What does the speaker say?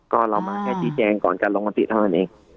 ก็เรามาแค่จิแจงก่อนการรองรับสิทธิ์เท่านั้นเอง